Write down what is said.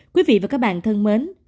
quý vị và các bạn thân mến